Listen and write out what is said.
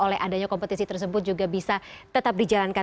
oleh adanya kompetisi tersebut juga bisa tetap dijalankan